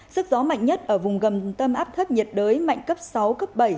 sức gió mạnh nhất ở vùng gần tâm áp thấp nhiệt đới mạnh cấp sáu cấp bảy